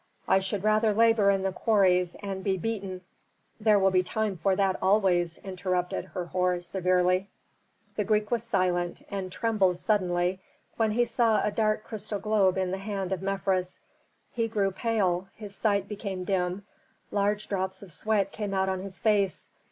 "I should rather labor in the quarries, and be beaten " "There will be time for that always," interrupted Herhor, severely. The Greek was silent, and trembled suddenly when he saw a dark crystal globe in the hand of Mefres. He grew pale, his sight became dim, large drops of sweat came out on his face.